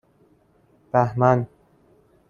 بَهمن